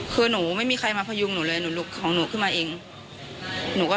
คุณผู้ชมค่ะ